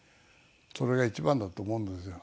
それが一番だと思うんですよ。